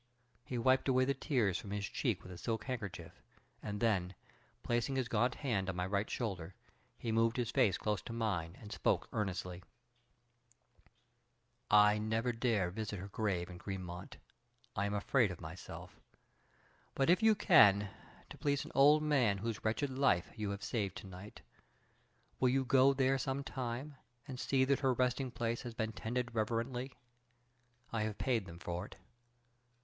He wiped away the tears from his cheek with a silk handkerchief, and then, placing his gaunt hand on my right shoulder, he moved his face close to mine and spoke earnestly: "I never dare visit her grave in Greenmount. I am afraid of myself. But if you can, to please an old man whose wretched life you have saved tonight, will you go there some time and see that her resting place has been tended reverently? I have paid them for it."